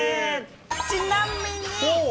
ちなみに。